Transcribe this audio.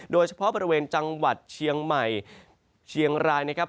โดยเฉพาะบริเวณจังหวัดเชียงใหม่เชียงรายนะครับ